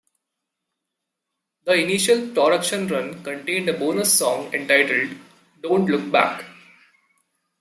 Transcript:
The initial production run contained a bonus song entitled "Don't Look Back".